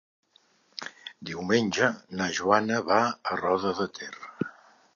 Diumenge na Joana va a Roda de Ter.